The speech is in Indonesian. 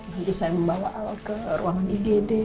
saya membawa al ke ruangan igd